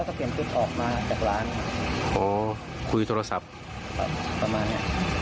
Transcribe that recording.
ก็เปลี่ยนชุดออกมาจากร้านครับขอคุยโทรศัพท์ครับประมาณเนี้ย